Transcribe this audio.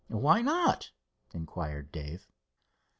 "Why not?" inquired Dave.